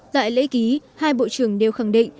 tại lễ ký hai bộ trưởng đều khẳng định